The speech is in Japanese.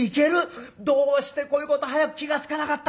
どうしてこういうこと早く気が付かなかったかな。